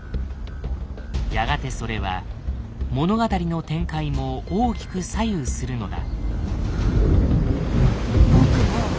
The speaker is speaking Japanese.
やがてそれは物語の展開も大きく左右するのだ。